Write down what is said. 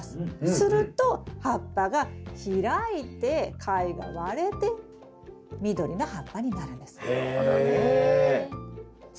すると葉っぱが開いて貝が割れて緑の葉っぱになるんです。